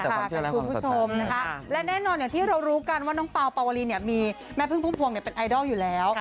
เพราะว่าปวลีมีแม่พึ่งพุ่งพวงเป็นไอดอลอยู่แล้ว